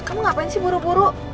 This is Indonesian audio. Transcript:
kamu ngapain sih buru buru